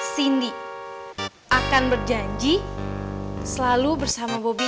senang sedih selalu selalu bobby